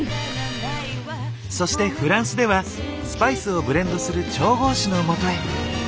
そしてフランスではスパイスをブレンドする調合師のもとへ。